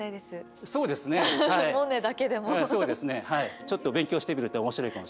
ちょっと勉強してみると面白いかもしれないですね。